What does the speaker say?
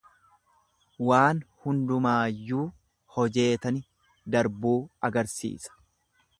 Waan hundumaayyuu hojeetani darbuu agarsiisa.